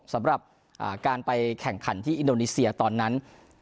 สำหรับการไปแข่งขันที่อินโดนีเซียตอนนั้น